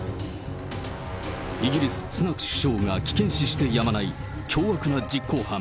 イギリス、スナク首相が危険視してやまない、凶悪な実行犯。